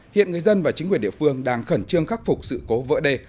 hiện người dân và chính quyền địa phương đang khẩn trương khắc phục sự cố vỡ đê